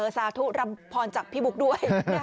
สาธุรำพรจากพี่บุ๊กด้วย